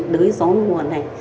đối gió mùa này